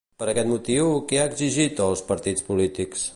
Per aquest motiu, què ha exigit als partits polítics?